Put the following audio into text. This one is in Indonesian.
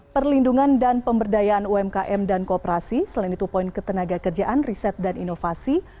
perlindungan dan pemberdayaan umkm dan kooperasi selain itu poin ketenaga kerjaan riset dan inovasi